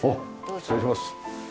失礼します。